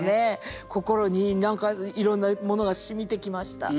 心に何かいろんなものがしみてきました。